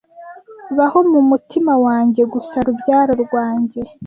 baho mu mutima wanjye gusa rubyaro rwanjye